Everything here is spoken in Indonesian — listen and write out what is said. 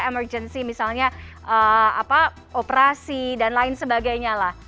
emergency misalnya operasi dan lain sebagainya lah